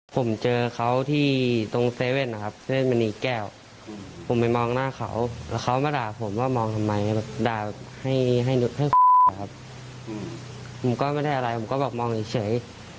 ผมเจอเขาที่ตรงเซเว่นนะครับเส้นมณีแก้วผมไปมองหน้าเขาแล้วเขามาด่าผมว่ามองทำไมแบบด่าแบบให้ฟังครับผมก็ไม่ได้อะไรผมก็บอกมองเฉย